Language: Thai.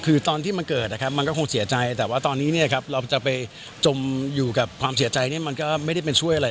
คือตอนที่มันเกิดมันก็คงเสียใจแต่ว่าตอนนี้เราจะไปจมอยู่กับความเสียใจมันก็ไม่ได้เป็นช่วยอะไร